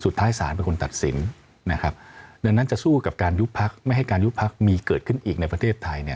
ดังนั้นจะสู้กับการยุบพลักษณ์ไม่ให้การยุบพลักษณ์มีเกิดขึ้นอีกในประเทศไทย